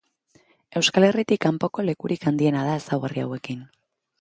Euskal Herritik kanpoko lekurik handiena da ezaugarri hauekin.